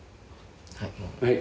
はい。